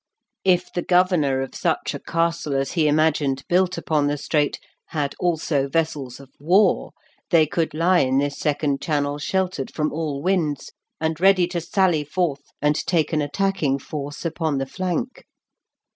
If the governor of such a castle as he imagined built upon the strait, had also vessels of war, they could lie in this second channel sheltered from all winds, and ready to sally forth and take an attacking force upon the flank.